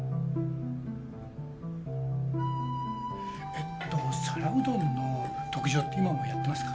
えっと皿うどんの特上って今もやってますか？